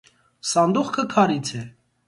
Սանդուխքը քարից է։